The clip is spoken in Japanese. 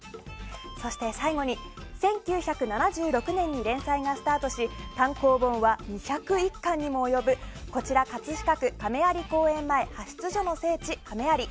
最後に１９７６年に連載がスタートし単行本は２０１巻にも及ぶ「こちら葛飾区亀有公園前派出所」の聖地、亀有。